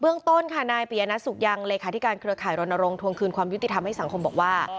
ต้นค่ะนายปียนัทสุขยังเลขาธิการเครือข่ายรณรงค์ทวงคืนความยุติธรรมให้สังคมบอกว่า